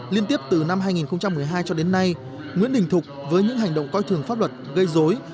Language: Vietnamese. liên tiếp từ năm hai nghìn một mươi hai cho đến nay nguyễn đình thục với những hành động coi thường pháp luật gây dối